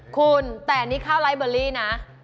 คุณแต่นี่ข้าวไลฟ์เบอรี่นะ